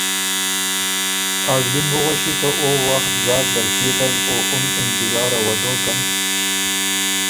ازلی م بُو غؤݭی که او وخت ځاک زر تيېکن او اُن انتظاره وه دوکن